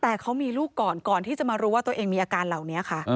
แต่เขามีลูกก่อนก่อนที่จะมารู้ว่าตัวเองมีอาการเหล่านี้ค่ะ